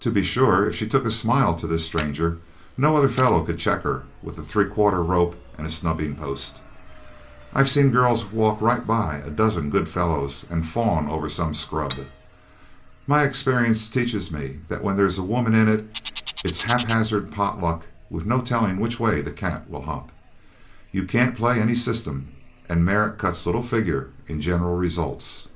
To be sure, if she took a smile to this stranger, no other fellow could check her with a three quarter rope and a snubbing post. I've seen girls walk right by a dozen good fellows and fawn over some scrub. My experience teaches me that when there's a woman in it, it's haphazard pot luck with no telling which way the cat will hop. You can't play any system, and merit cuts little figure in general results."